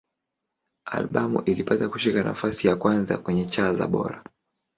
Albamu ilipata kushika nafasi ya kwanza kwenye cha za Bora.